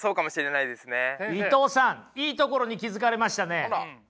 伊藤さんいいところに気付かれましたね。